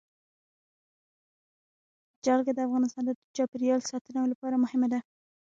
جلګه د افغانستان د چاپیریال ساتنې لپاره مهم دي.